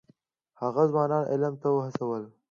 هغه ځوانان علم ته وهڅول.